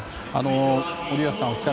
森保さん